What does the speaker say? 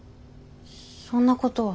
そんなことは。